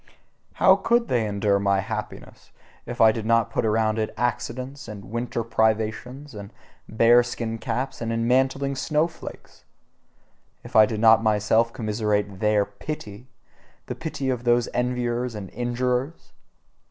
How COULD they endure my happiness, if I did not put around it accidents, and winter privations, and bear skin caps, and enmantling snowflakes! If I did not myself commiserate their PITY, the pity of those enviers and injurers!